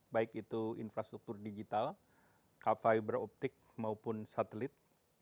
baik itu infrastruktur digital k fiber optik maupun satelit